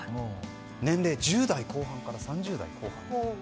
年齢は１０代後半から３０代後半。